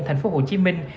thành phố hồ chí minh